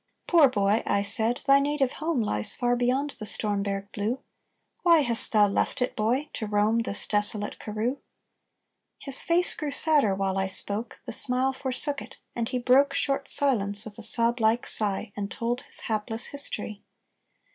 "Poor boy," I said, "thy native home Lies far beyond the Stormberg blue: Why hast thou left it, boy! to roam This desolate Karroo?" His face grew sadder while I spoke; The smile forsook it; and he broke Short silence with a sob like sigh, And told his hapless history.